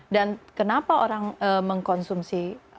dan kenapa orang mengkonsumsi